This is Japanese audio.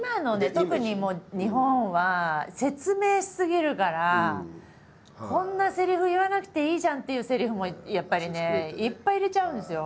特に日本は説明し過ぎるからこんなセリフ言わなくていいじゃんっていうセリフもやっぱりねいっぱい入れちゃうんですよ。